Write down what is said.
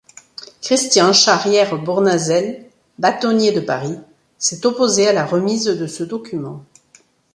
Christian Charrière-Bournazel, bâtonnier de Paris, s'est opposé à la remise de ce document.